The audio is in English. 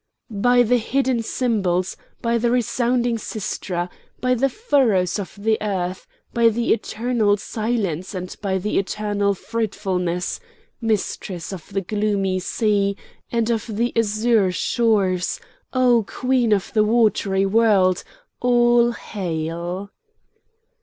—By the hidden symbols, by the resounding sistra,—by the furrows of the earth,—by the eternal silence and by the eternal fruitfulness,—mistress of the gloomy sea and of the azure shores, O Queen of the watery world, all hail!"